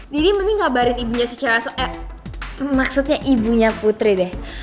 deddy mending kabarin ibunya si celia sok eh maksudnya ibunya putri deh